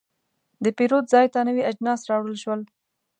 د پیرود ځای ته نوي اجناس راوړل شول.